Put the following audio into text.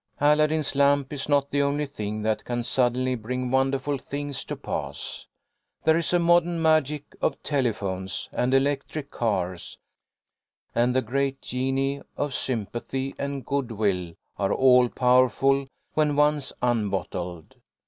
Aladdin's lamp is not the only thing that can sud denly bring wonderful things to pass. There is a modern magic of telephones and electric cars, and the great Genii of sympathy and good will are all powerful when once unbottled.